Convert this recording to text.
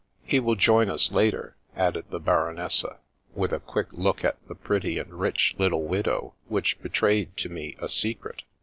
" He will join us later," added the Baronessa, with a quick look at the pretty and rich little widow which betrayed to me a secret.